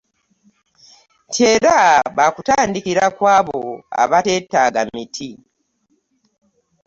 Nti era ba kutandikira ku abo abateetaaga miti.